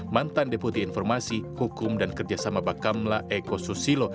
mantan deputi informasi hukum dan kerjasama bakamla eko susilo